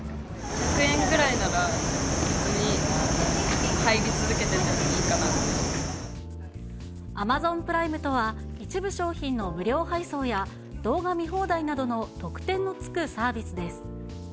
１００円ぐらいなら、別に入アマゾンプライムとは、一部商品の無料配送や、動画見放題などの特典の付くサービスです。